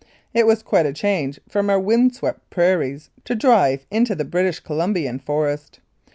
It was quite a change from our windswept prairies to drive into the British Colum bian forest.